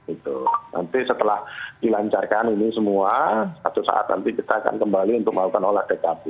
itu nanti setelah dilancarkan ini semua satu saat nanti kita akan kembali untuk melakukan olah tkp